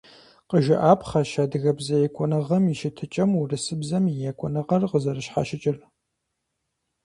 Къыжыӏапхъэщ адыгэбзэ екӏуныгъэм и щытыкӏэм урысыбзэм и екӏуныгъэр къызэрыщхьэщыкӏыр.